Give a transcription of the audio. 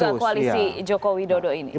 bahkan masih cair juga koalisi jokowi dodo ini